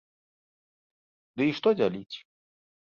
Ды і што дзяліць?